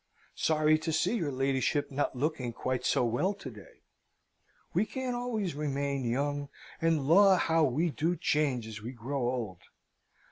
Sorry to see your ladyship not looking quite so well to day. We can't always remain young and law! how we do change as we grow old!